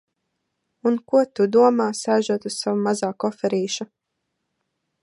Un ko tu domā, sēžot uz sava mazā koferīša?